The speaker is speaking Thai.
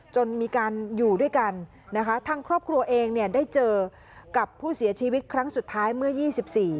จนมีการอยู่ด้วยกันนะคะทางครอบครัวเองเนี่ยได้เจอกับผู้เสียชีวิตครั้งสุดท้ายเมื่อยี่สิบสี่